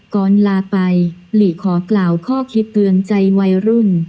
ลาไปหลีขอกล่าวข้อคิดเตือนใจวัยรุ่น